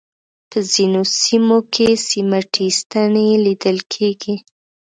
په ځینو سیمو کې سیمټي ستنې لیدل کېږي.